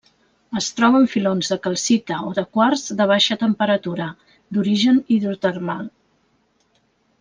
Es troba en filons de calcita o de quars de baixa temperatura, d'origen hidrotermal.